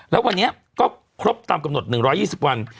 แล้ววันนี้ก็ครบตามกำหนด๑๒๐วัน